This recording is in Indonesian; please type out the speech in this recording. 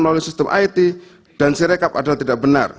melalui sistem it dan sirekap adalah tidak benar